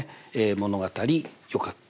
「物語よかった」